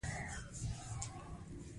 د حکومت پر ضد باغیانو ته سخته سزا ورکول کېده.